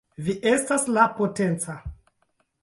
Vi estas la Potenca!